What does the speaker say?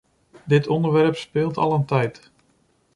Dit onderwerp speelt al een tijd.